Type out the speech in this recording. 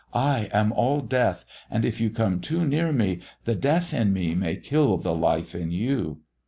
I am all death, and if you come too near me the Death in me may kill the life in you.'